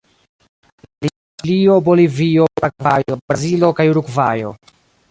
Limas kun Ĉilio, Bolivio, Paragvajo, Brazilo kaj Urugvajo.